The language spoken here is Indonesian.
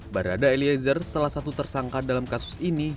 barada eliezer salah satu tersangka dalam kasus ini